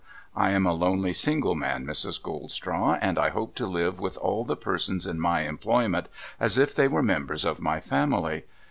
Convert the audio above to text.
I am a lonely single man, Mrs. Goldstraw ; and I hope to live with all the persons in my employment as if they were members of my family.